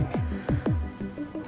dengan gaji yang lebih bagus dari ini